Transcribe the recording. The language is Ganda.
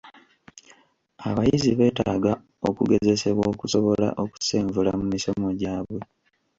Abayizi beetaaga okugezesebwa okusobola okusenvula mu misomo gyabwe.